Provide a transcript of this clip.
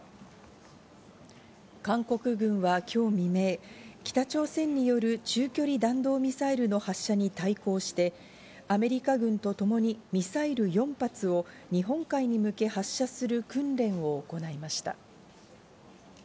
韓国軍は今日未明、北朝鮮による中距離弾道ミサイルの発射に対抗して、アメリカ軍とともにミサイル４発を日本海に向け発射する訓練を行いました。